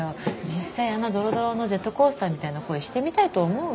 実際あんなどろどろのジェットコースターみたいな恋してみたいと思う？